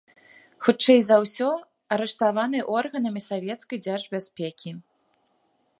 Хутчэй за ўсё, арыштаваны органамі савецкай дзяржбяспекі.